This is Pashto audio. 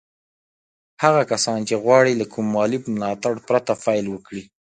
هغه کسان چې غواړي له کوم مالي ملاتړ پرته پيل وکړي.